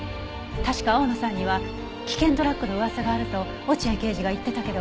確か青野さんには危険ドラッグの噂があると落合刑事が言ってたけど。